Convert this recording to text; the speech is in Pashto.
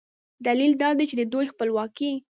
دلیل دا دی چې د دوی خپلواکي